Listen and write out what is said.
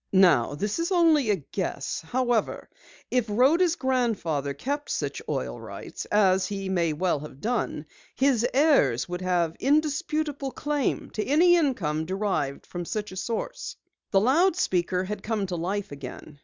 "Now, this is only a guess. However, if Rhoda's grandfather kept such oil rights as he may well have done his heirs would have indisputable claim to any income derived from such source." The loudspeaker had come to life again.